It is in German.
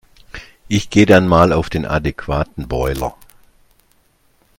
Ich geh' dann mal auf den adequaten Boiler.